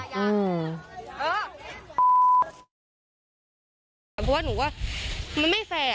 ผมว่าหนูว่ามันไม่แฟร์